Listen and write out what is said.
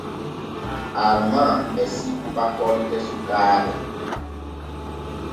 Arman e sippa kolte sukaaɓe.